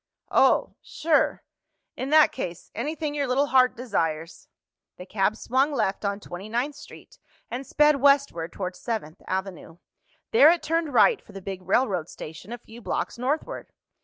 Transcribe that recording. "Oh. Sure. In that case. Anything your little heart desires." The cab swung left on Twenty ninth Street and sped westward toward Seventh Avenue. There it turned right for the big railroad station a few blocks northward.